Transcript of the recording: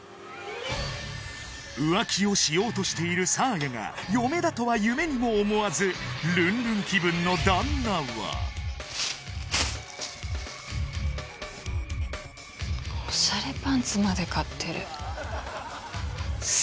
浮気をしようとしているさあやが嫁だとは夢にも思わずルンルン気分の旦那は「ここ予約した」